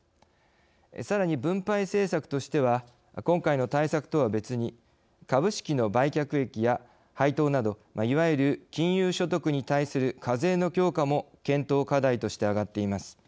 さらに分配政策としては今回の対策とは別に株式の売却益や配当などいわゆる金融所得に対する課税の強化も検討課題として上がっています。